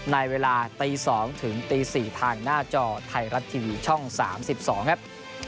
ในเวลาตี๒ถึงตี๔ทางหน้าจอไทยรัฐทีวีช่อง๓๒ครับ